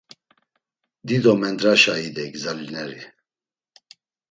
Dido mendraşa idey gzalineri.